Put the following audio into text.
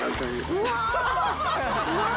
うわ。